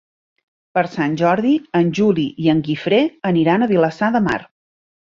Per Sant Jordi en Juli i en Guifré aniran a Vilassar de Mar.